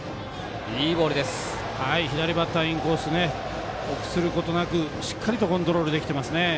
左バッターインコース臆することなくしっかりとコントロールできてますね。